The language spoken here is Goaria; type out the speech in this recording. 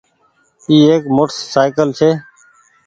اي ايڪ موٽر سآئيڪل ڇي۔